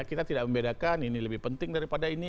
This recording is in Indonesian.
kita tidak membedakan ini lebih penting daripada ini